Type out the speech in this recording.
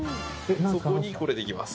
そこにこれでいきます。